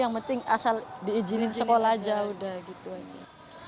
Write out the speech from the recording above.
yang penting asal diizinin sekolah aja udah gitu aja